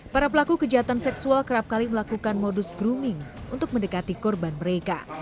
para pelaku kejahatan seksual kerap kali melakukan modus grooming untuk mendekati korban mereka